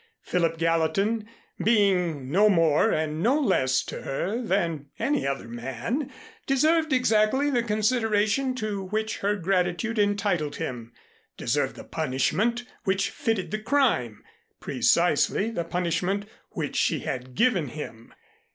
Philip Gallatin being no more and no less to her than any other man, deserved exactly the consideration to which her gratitude entitled him, deserved the punishment which fitted the crime precisely the punishment which she had given him.